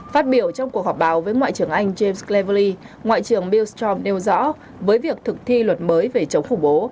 phát biểu trong cuộc họp báo với ngoại trưởng anh james cleverley ngoại trưởng billstrom nêu rõ với việc thực thi luật mới về chống khủng bố